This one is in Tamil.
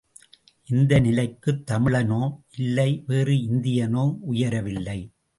இந்த நிலைக்கு தமிழனோ இல்லை வேறு இந்தியனோ உயரவில்லை.